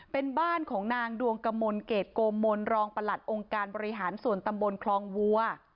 เป็นบ้านของนางดวงกมลเกรดโกมลรองประหลัดองค์การบริหารส่วนตำบลคลองวัว